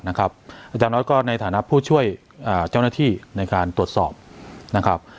อาจารย์น้อยก็ในฐานะผู้ช่วยเจ้าหน้าที่ในการตรวจสอบนะครับ